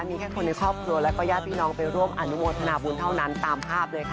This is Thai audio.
มีแค่คนในครอบครัวและก็ญาติพี่น้องไปร่วมอนุโมทนาบุญเท่านั้นตามภาพเลยค่ะ